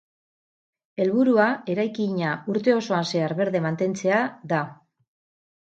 Helburua eraikina urte osoan zehar berde mantentzea da.